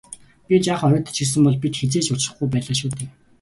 Би жаахан оройтож ирсэн бол бид хэзээ ч дахин учрахгүй байлаа шүү дээ.